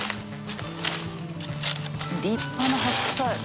立派な白菜！